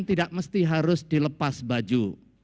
tidak mesti harus dilepas baju